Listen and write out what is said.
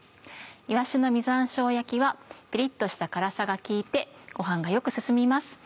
「いわしの実山椒焼き」はピリっとした辛さが効いてご飯がよく進みます。